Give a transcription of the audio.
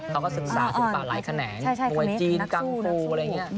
เขาก็ศึกษาศิลปะหลายแขนงมวยจีนกังฟูอะไรอย่างนี้